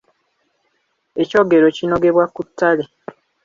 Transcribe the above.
Ekyogero kinogebwa ku ttale.